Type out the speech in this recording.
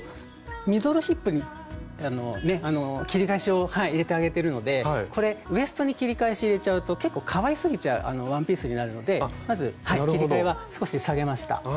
ミドルヒップに切りかえしを入れてあげてるのでこれウエストに切りかえし入れちゃうと結構かわいすぎちゃうワンピースになるのでまず切りかえは少し下げました。